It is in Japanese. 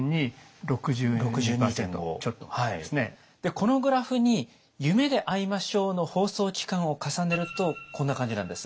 このグラフに「夢であいましょう」の放送期間を重ねるとこんな感じなんです。